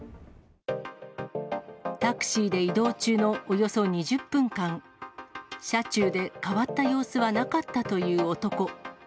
タクシーで移動中のおよそ２０分間、車中で変わった様子はなかったという男。